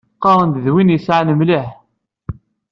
Qqaren-d d win yesɛan mliḥ.